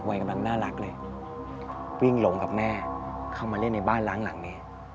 กำลังน่ารักเลยวิ่งหลงกับแม่เข้ามาเล่นในบ้านล้างหลังนี้